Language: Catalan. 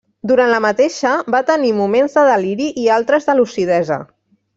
Durant la mateixa va tenir moments de deliri i altres de lucidesa.